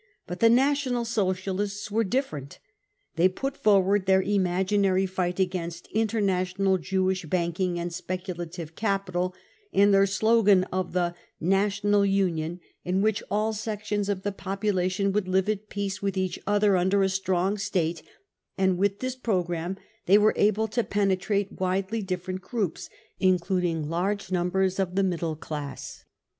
Bift the National Socialists were different. They put forward their imaginary fight against *'' international Jewish banking and speculative capital " and their slogan of the " national union 55 in which all sections of the population would live at peace with each other under a strong State, and with this programme they were able to penetrate widely different groups, including large numbers of the middle class.